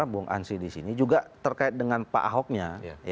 bung ansi disini juga terkait dengan pak ahoknya